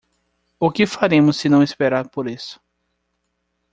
O que faremos senão esperar por isso?